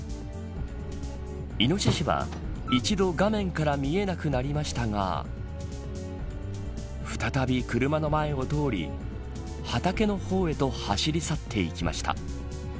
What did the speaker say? イノシシは、一度画面から見えなくなりましたが再び車の前を通り畑の方へと走り去っていきました。